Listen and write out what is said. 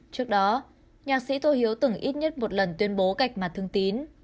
trước đó nhạc sĩ tô hiếu từng ít nhất một lần tuyên bố gạch mặt thương tín